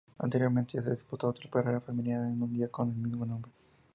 Anteriormente ya se disputó otra carrera femenina de un día con el mismo nombre.